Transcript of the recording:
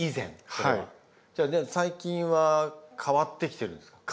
最近は変わってきてるんですか？